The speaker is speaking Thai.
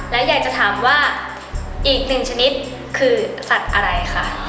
และอยากจะถามว่าอีก๑ชนิด